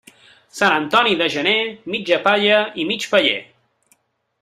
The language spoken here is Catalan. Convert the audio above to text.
Sant Antoni de gener, mitja palla i mig paller.